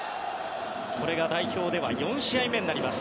これが代表では４試合目になります。